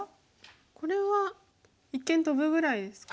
これは一間トブぐらいですか。